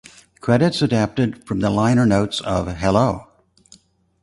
Credits adapted from the liner notes of "Hello".